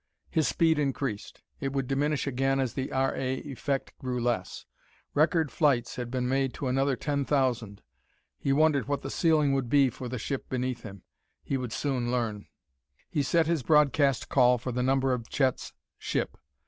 His speed increased. It would diminish again as the R. A. Effect grew less. Record flights had been made to another ten thousand.... He wondered what the ceiling would be for the ship beneath him. He would soon learn.... He set his broadcast call for the number of Chet's ship.